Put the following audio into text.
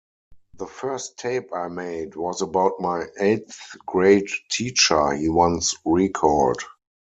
"The first tape I made was about my eighth-grade teacher," he once recalled.